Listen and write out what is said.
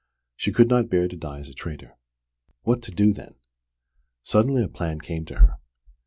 She could not bear to die as a traitor! What to do then? Suddenly a plan came to her.